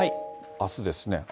あすですね。